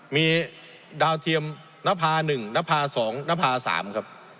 มีดาวเทียมหนภาคม๑๒๓ครับ